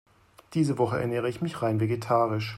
Diese Woche ernähre ich mich rein vegetarisch.